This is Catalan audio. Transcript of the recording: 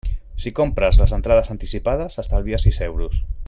Si compres les entrades anticipades estalvies sis euros.